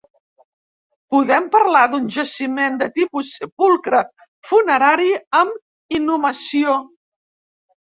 Podem parlar d'un jaciment de tipus sepulcre funerari amb inhumació.